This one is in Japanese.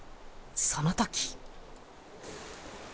その時。